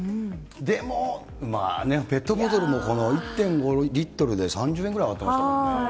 でも、ペットボトルも１．５リットルで３０円ぐらい上がってますからね。